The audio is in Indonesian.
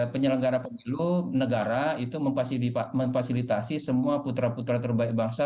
penyelenggara pemilu negara itu memfasilitasi semua putra putra terbaik bangsa